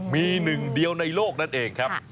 มีหนึ่งเดียวในโลกนั่นเองครับ